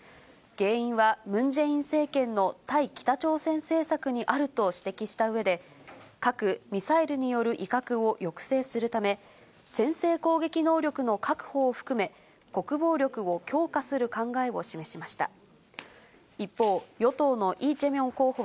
原因はムン・ジェイン政権の対北朝鮮政策にあると指摘したうえで、核・ミサイルによる威嚇を抑制するため、先制攻撃能力の確保を含め、国防力を強化する考えを示しました。